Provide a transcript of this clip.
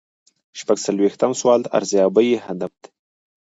شپږ څلویښتم سوال د ارزیابۍ هدف دی.